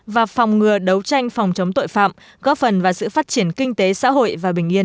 và phòng ngừa đấu tranh phòng chống tội phạm góp phần vào sự phát triển kinh tế xã hội và bình yên cho nhân dân